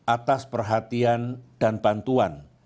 atas perhatian dan bantuan